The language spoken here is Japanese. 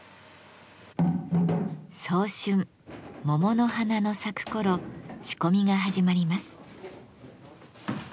早春桃の花の咲く頃仕込みが始まります。